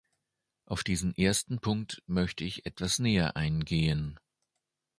Auf diesen ersten Punkt möchte ich etwas näher eingehen.